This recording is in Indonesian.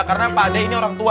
karena pak de ini orang tua